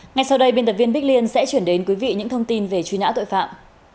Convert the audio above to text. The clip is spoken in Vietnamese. ngay sau đây biên tập viên bích liên sẽ chuyển đến quý vị những thông tin về truy nã tội phạm